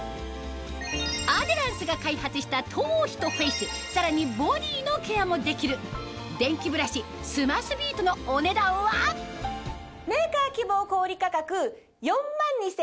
アデランスが開発した頭皮とフェイスさらにボディのケアもできる電気ブラシスマスビートのお値段は？安い！